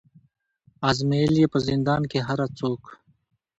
آزمېیل یې په زندان کي هره څوکه